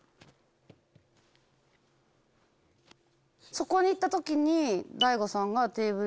そこに行った時に。